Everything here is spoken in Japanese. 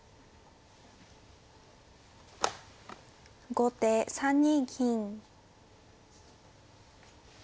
後手３二金。